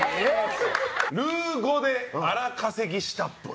ルー語で荒稼ぎしたっぽい。